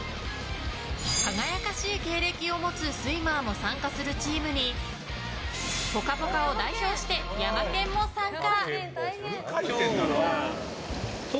輝かしい経歴を持つスイマーも参加するチームに「ぽかぽか」を代表してヤマケンも参加。